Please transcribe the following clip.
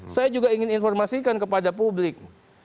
saya juga ingin informasikan kepada publik